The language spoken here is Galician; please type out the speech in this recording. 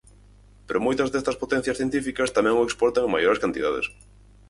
Pero moitas destas potencias científicas tamén o exportan en maiores cantidades.